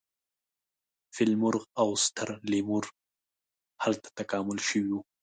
فیل مرغ او ستر لیمور هلته تکامل شوي وو.